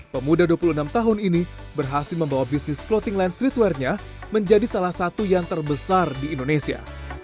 pemuda dua puluh enam tahun ini berhasil membawa bisnis clothing line streetwearnya menjadi salah satu yang terbesar di indonesia